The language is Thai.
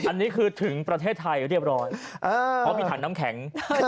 อันนี้คือถึงประเทศไทยเรียบร้อยเพราะมีถังน้ำแข็ง